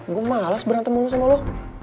gue males berantem sama lo